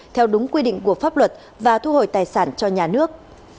theo đúng quy định của pháp luật và thu hồi tài sản cho nhà nước